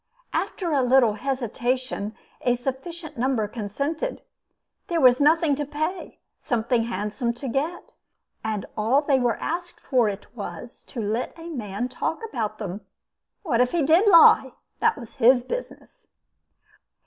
After a little hesitation, a sufficient number consented. There was nothing to pay, something handsome to get, and all they were asked for it was, to let a man talk about them. What if he did lie? That was his business.